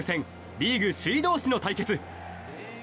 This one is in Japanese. リーグ首位同士の対決。